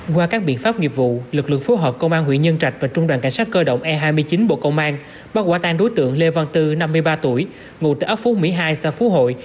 qua các biện pháp nghiệp vụ lực lượng phối hợp công an huyện nhân trạch và trung đoàn cảnh sát cơ động e hai mươi chín bộ công an bắt quả tan đối tượng lê văn tư năm mươi ba tuổi ngụ tại ấp phú mỹ hai xã phú hội